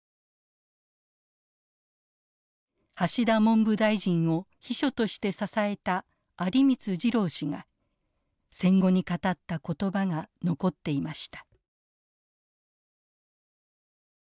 橋田文部大臣を秘書として支えた有光次郎氏が戦後に語った言葉が残っていました。